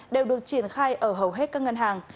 đều được triển khai ở hầu hết các ngân hàng